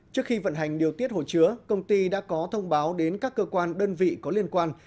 trước khi vận hành điều tiết hồ chứa công ty đã có thông báo đến các cơ quan đơn vị có liên quan